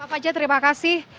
pak fajar terima kasih